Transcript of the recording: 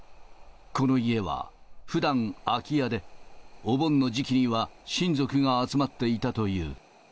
この家は、ふだん空き家で、お盆の時期には親族が集まっていたという。